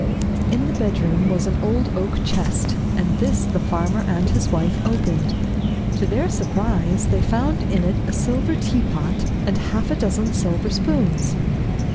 In the bedroom was an old oak chest, and this the farmer and his wife opened. To their surprise they found in it a silver teapot, and half a dozen silver spoons.